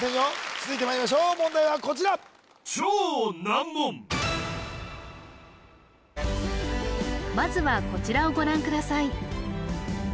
続いてまいりましょう問題はこちらまずはこちらをご覧ください